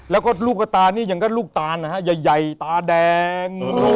แล้วก็ลูกกระตานี่ยังก็ลูกตานนะฮะใหญ่ตาแดง